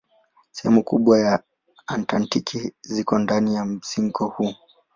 Sehemu kubwa ya Antaktiki ziko ndani ya mzingo huu.